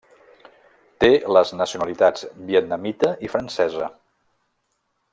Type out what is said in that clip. Té les nacionalitats vietnamita i francesa.